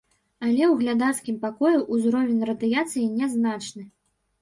Але ў глядацкім пакоі ўзровень радыяцыі нязначны.